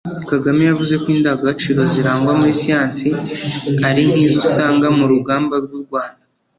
Kagame yavuze ko indangagaciro zirangwa muri Siyansi ari nk’izo usanga mu rugamba rw’u Rwanda